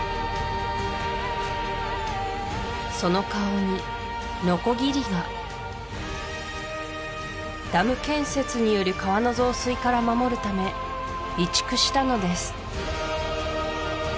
その顔にノコギリがダム建設による川の増水から守るため移築したのです